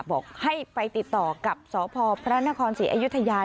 บอกให้ไปติดต่อกับสพพระนครศรีอยุธยา